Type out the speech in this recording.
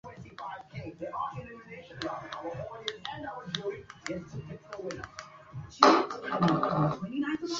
ya msingi katika shule ya Bukumbi iliyopo misungwi Mwanzaambako alikuwa ni kati ya